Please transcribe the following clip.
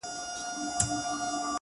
ما له یوې هم یوه ښه خاطره و نه لیده،